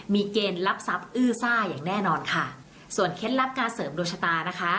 มีเกณฑ์รับทรัพย์อื้อซ่าอย่างแน่นอนค่ะส่วนเคล็ดลับการเสริมดวงชะตานะคะ